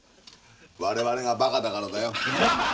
我々がバカだからだよ。